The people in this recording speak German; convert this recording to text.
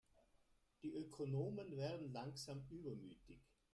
Die Ökonomen werden langsam übermütig.